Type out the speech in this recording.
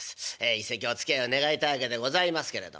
一席おつきあいを願いたいわけでございますけれども。